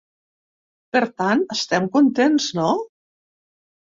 Per tant, estem contents, no?